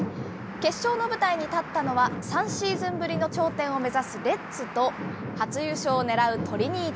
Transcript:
決勝の舞台に立ったのは、３シーズンぶりの頂点を目指すレッズと、初優勝を狙うトリニータ。